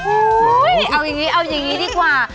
เอาอย่างนี้เอาอย่างนี้ดีกว่า